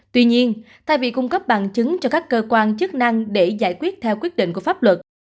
tuy nhiên thay vì cung cấp bằng chứng cho các cơ quan chức năng để giải quyết theo quyết định của pháp luật